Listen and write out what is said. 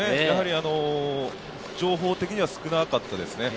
情報的には少なかったですね。